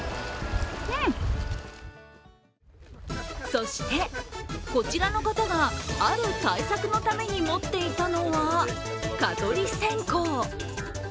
そして、こちらの方がある対策のために持っていたのは蚊取り線香。